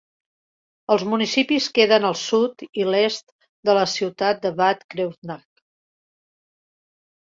Els municipis queden al sud i l'est de la ciutat de Bad Kreuznach.